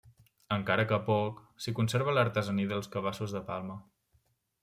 Encara que poc, s'hi conserva l'artesania dels cabassos de palma.